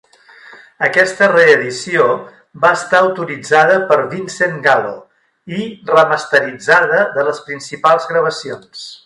Aquesta reedició va estar autoritzada per Vincent Gallo i remasteritzada de les principals gravacions.